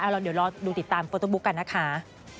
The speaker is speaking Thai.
เดี๋ยวรอดูติดตามโฟโต้บุ๊กกันนะคะ